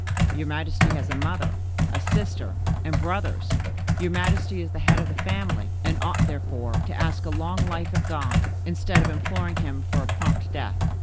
"Your majesty has a mother, a sister, and brothers; your majesty is the head of the family, and ought, therefore, to ask a long life of God, instead of imploring Him for a prompt death.